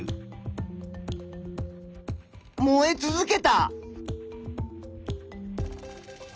燃え続けた。